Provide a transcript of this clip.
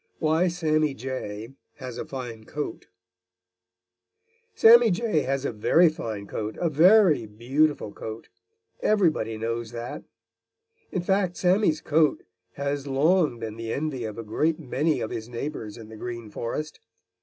VI WHY SAMMY JAY HAS A FINE COAT Sammy Jay has a very fine coat, a very beautiful coat. Everybody knows that. In fact, Sammy's coat has long been the envy of a great many of his neighbors in the Green Forest.